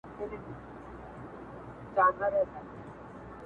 • مامي سوګند پر هر قدم ستا په نامه کولای -